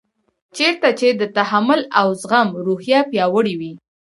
چېرته چې د تحمل او زغم روحیه پیاوړې وي.